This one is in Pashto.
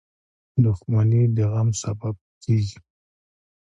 • دښمني د غم سبب کېږي.